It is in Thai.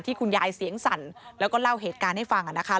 คุณยายเสียงสั่นแล้วก็เล่าเหตุการณ์ให้ฟังนะคะ